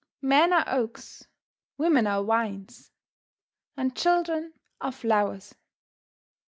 Men are oaks, women are vines, children are flowers.